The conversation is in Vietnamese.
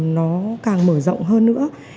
nó càng mở rộng hơn nữa